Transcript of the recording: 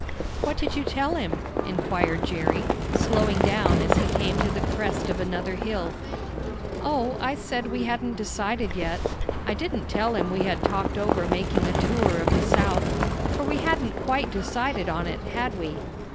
"What did you tell him?" inquired Jerry, slowing down as he came to the crest of another hill. "Oh, I said we hadn't decided yet. I didn't tell him we had talked over making a tour of the South, for we hadn't quite decided on it; had we?"